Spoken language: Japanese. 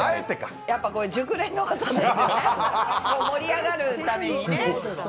熟練の方々がね盛り上がるためにね。